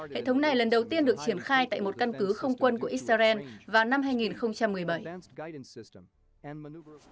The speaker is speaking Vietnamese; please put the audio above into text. hệ thống này lần đầu tiên được triển khai tại một căn cứ không quân của israel vào năm hai nghìn một mươi bảy